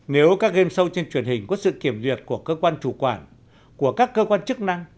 nếu các game show trên truyền hình có sự kiểm duyệt của cơ quan chủ quản của các cơ quan chức năng